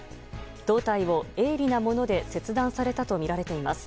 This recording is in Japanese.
胴体を鋭利なもので切断されたとみられています。